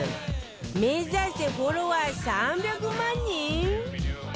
目指せフォロワー３００万人！？